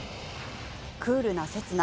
クールな刹那。